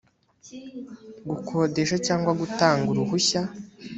gukodesha cyangwa gutanga uruhushya